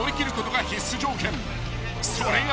［それが］